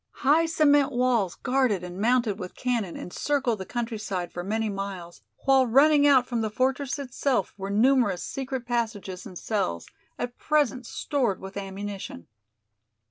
High cement walls guarded and mounted with cannon encircled the countryside for many miles, while running out from the fortress itself were numerous secret passages and cells, at present stored with ammunition.